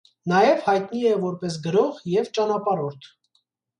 Նաև հայտնի է որպես գրող և ճանապարհորդ։